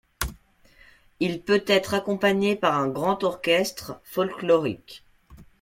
Il peut être accompagné par un grand orchestre folklorique.